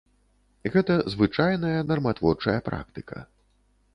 Гэта звычайная нарматворчая практыка.